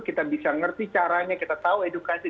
kita bisa ngerti caranya kita tahu edukasi